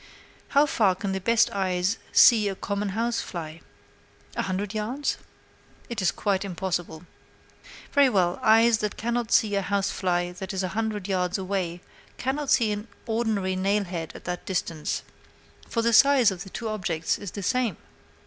How far can the best eyes see a common house fly? A hundred yards? It is quite impossible. Very well; eyes that cannot see a house fly that is a hundred yards away cannot see an ordinary nailhead at that distance, for the size of the two objects is the same.